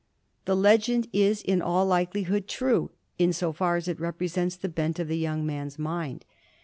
The legend is in all likelihood true in so far as it represents the bent of the young man's mind.